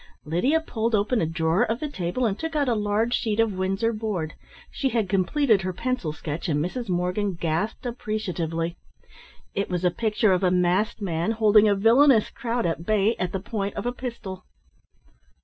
Lydia pulled open a drawer of the table and took out a large sheet of Windsor board. She had completed her pencil sketch and Mrs. Morgan gasped appreciatively. It was a picture of a masked man holding a villainous crowd at bay at the point of a pistol.